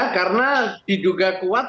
karena diduga kuat